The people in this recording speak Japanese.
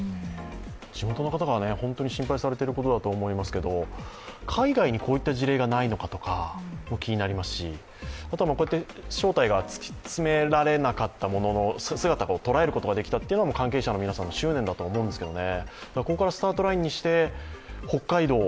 地元の方、本当に心配されていることだと思いますけど、海外にこういった事例がないのかとかも気になりますしあとは正体が突き止められなかったものの、姿を捉えることができたっていうのは関係者の皆さんの執念だと思うんですけどね。